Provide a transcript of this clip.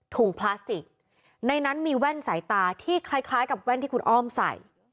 พลาสติกในนั้นมีแว่นสายตาที่คล้ายกับแว่นที่คุณอ้อมใส่